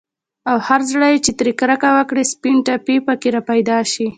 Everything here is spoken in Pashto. او هر زړه چي ترې كركه وكړي، سپين ټاپى په كي راپيدا شي